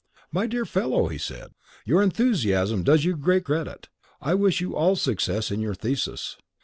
"My dear fellow," he said, "your enthusiasm does you great credit. I wish you all success in your thesis."